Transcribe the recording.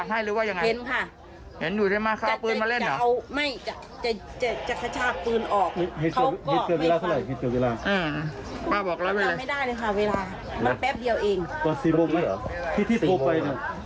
อ๋อป้าก็อยู่ตรงนี้ด้วย